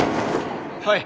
はい